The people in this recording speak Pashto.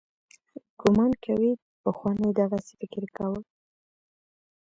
ګومان کوي پخوانو دغسې فکر کاوه.